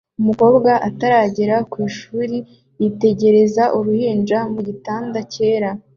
Umukobwa utarageza ku ishuri yitegereza uruhinja mu gitanda cyera